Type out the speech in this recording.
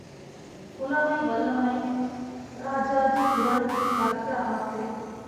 புலமை வல்லமை இராஜாஜி குறள் கற்க ஆசை!